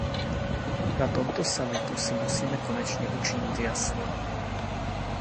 Na tomto summitu si musíme konečně učinit jasno.